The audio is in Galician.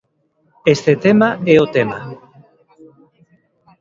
Este tema é o tema.